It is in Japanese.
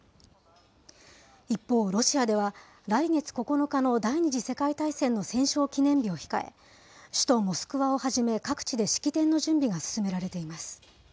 一方、ロシアでは来月９日の第２次世界大戦の戦勝記念日を控え、首都モスクワをはじめ、各地で式典の準備が進められています。